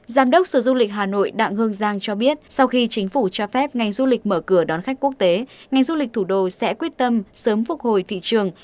giám đốc sở du lịch hà nội đặng hương giang cho biết sau khi chính phủ cho phép ngành du lịch mở cửa đón khách quốc tế ngành du lịch thủ đô sẽ quyết tâm sớm phục hồi thị trường